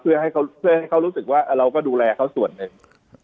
เพื่อให้เขารู้สึกว่าเราก็ดูแลเขาส่วนหนึ่ง